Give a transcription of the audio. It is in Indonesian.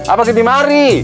apa kaya di mari